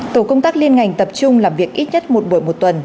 tổ công tác liên ngành tập trung làm việc ít nhất một buổi một tuần